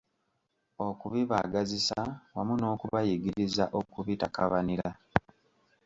Okubibaagazisa wamu n’okubayigiriza okubitakabanira.